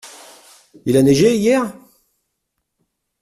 Il a neigé hier ?